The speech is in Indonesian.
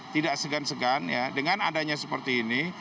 tidak segan segan ya dengan adanya seperti ini